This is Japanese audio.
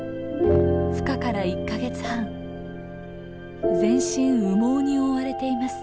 ふ化から１か月半全身羽毛に覆われています。